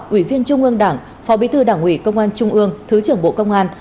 ủy viên trung ương đảng phó bí thư đảng ủy công an trung ương thứ trưởng bộ công an